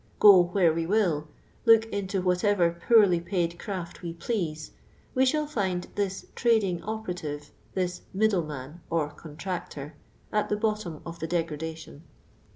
Go where we will, look into what»*vor poorly p'iid craft we please, we shall tind tnis trading ojH.ni' tine, th'iBtviiddieiHan or cuntnictor, at the bottom of the degradation."